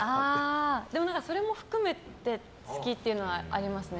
でもそれも含めて好きっていうのはありますね。